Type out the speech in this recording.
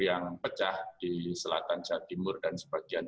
yang pecah di selatan jawa timur dan sebagian